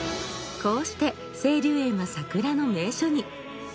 こうして清流園は桜の名所に。